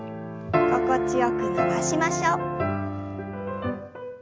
心地よく伸ばしましょう。